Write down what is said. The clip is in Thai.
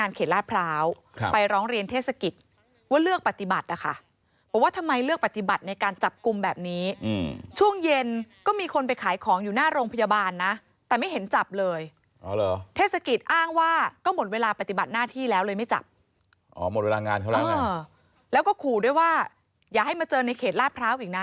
แต่พี่คิดดูว่าชีวิตหนูบ้าขนาดไหนละครับ